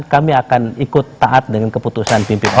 kami akan ikut taat dengan keputusan pimpinan